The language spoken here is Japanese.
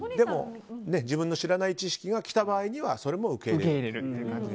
自分の知らない知識が来た場合はそれも受け入れると。